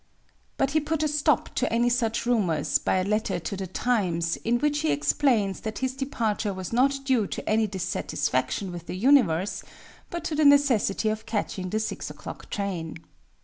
But he put a stop to any such rumors by a letter to The Times in which he explains that his departure was not due to any dissatisfaction with the universe but to the necessity of catching the 6 o'clock train.